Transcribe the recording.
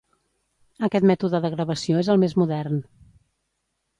Aquest mètode de gravació és el més modern.